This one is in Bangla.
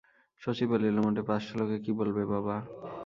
শশী বলিল, মোটে পাঁচশো লোকে কী বলবে বাবা?